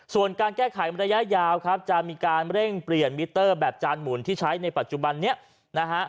ส่วนการแก้ไขระยะยาวครับจะมีการเร่งเปลี่ยนมิเตอร์แบบจานหมุนที่ใช้ในปัจจุบันนี้นะฮะ